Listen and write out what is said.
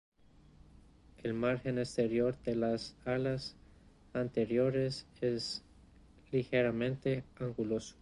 El margen exterior de las alas anteriores es ligeramente anguloso.